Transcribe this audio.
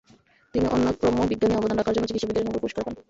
তিনি অনাক্রম্যবিজ্ঞানে অবদান রাখার জন্য চিকিৎসাবিজ্ঞানে নোবেল পুরস্কার পান।